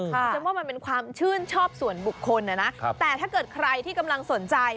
ฉันว่ามันเป็นความชื่นชอบส่วนบุคคลนะนะแต่ถ้าเกิดใครที่กำลังสนใจ